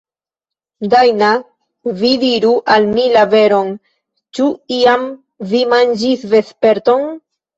Dajna, vi diru al mi la veron; ĉu iam vi manĝis vesperton?